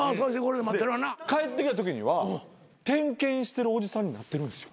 帰ってきたときには点検してるおじさんになってるんですよ。